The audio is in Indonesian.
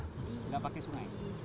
nggak pakai sungai